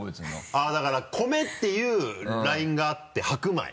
あっだから米っていうラインがあって白米。